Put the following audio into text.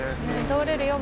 通れるよ